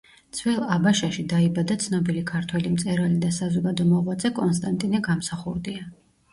ძველ აბაშაში დაიბადა ცნობილი ქართველი მწერალი და საზოგადო მოღვაწე კონსტანტინე გამსახურდია.